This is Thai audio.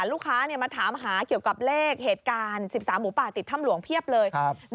ลูกค้ามาถามหาเกี่ยวกับเลขเหตุการณ์๑๓หมูป่าติดถ้ำหลวงเพียบเลย